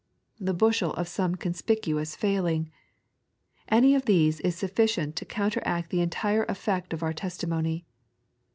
The bushel of some conspicuous failing ! Any of these is sufficient to counteract the entire efTect of our testimony.